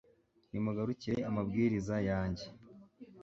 nimugarukire amabwiriza yanjye